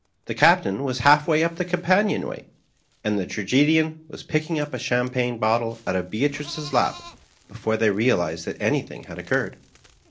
The Captam was half way np the companion way, and the Tragedian was picking a champagne bottle out of Bear trices lap, before they realized that anything had oc curred.